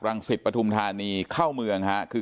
รังศิษย์ปถุมธานีครับเข้าเมืองอ่ะคือ